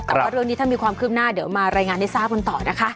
แต่ว่าเรื่องนี้ถ้ามีความคืบหน้าเดี๋ยวมารายงานให้ทราบกันต่อนะคะ